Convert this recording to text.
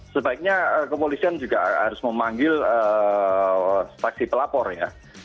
sebaiknya kepolisian juga harus memanggil saksi pelapor ya